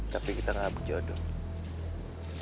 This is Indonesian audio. tapi kita gak berjodoh